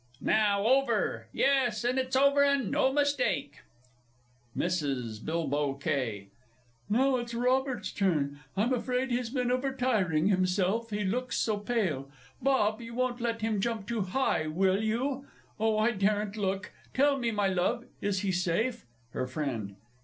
Now over!... Yes, and it is over, and no mistake! MRS. B. K. Now it's Robert's turn. I'm afraid he's been overtiring himself, he looks so pale. Bob, you won't let him jump too high, will you? Oh, I daren't look. Tell me, my love, is he safe? HER FRIEND.